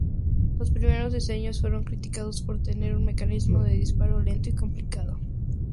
Los primeros diseños fueron criticados por tener un mecanismo de disparo lento y complicado.